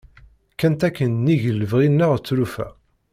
Kkant akin nnig lebɣi-nneɣ tlufa.